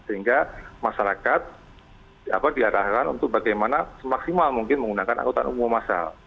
sehingga masyarakat diarahkan untuk bagaimana semaksimal mungkin menggunakan angkutan umum masal